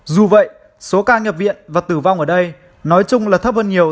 dù vậy số ca nhập viện và tử vong ở đây nói chung là thấp hơn nhiều